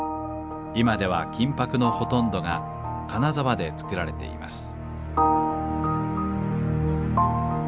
今では金箔のほとんどが金沢で作られています